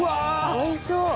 おいしそう。